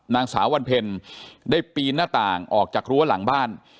นางสาววันเพ็ญได้ปีนหน้าต่างออกจากรั้วหลังบ้าน